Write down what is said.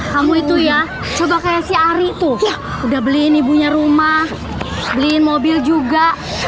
kamu itu ya coba udah beliin ibunya rumah beliin mobil juga